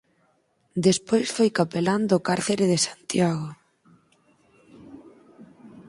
Despois foi capelán do cárcere de Santiago.